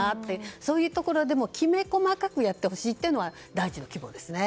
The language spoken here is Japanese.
そういうところをきめ細かくやってほしいというのは第一の希望ですね。